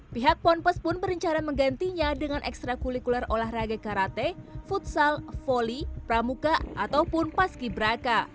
pihak pondok pesantren pun berencara menggantinya dengan ekstra kulikuler olahraga karate futsal volley pramuka ataupun paski braka